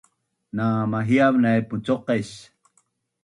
Na mahiav naip mucuqais